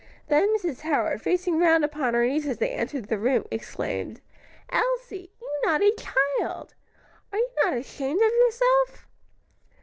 Then Mrs. Howard, facing round upon her niece as they entered the room, exclaimed, "Elsie, you naughty child! are you not ashamed of yourself?"